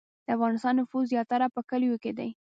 د افغانستان نفوس زیاتره په کلیو کې دی